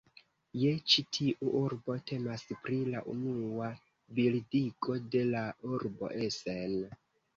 Je ĉi tiu urbo temas pri la unua bildigo de la urbo Essen.